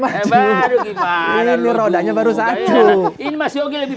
izza aduh gimana ini rodanya baru satu ini mesti lagi lebih